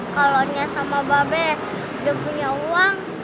kalau nye sama bapak udah punya uang